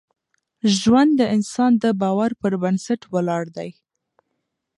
ژوند د انسان د باور پر بنسټ ولاړ دی.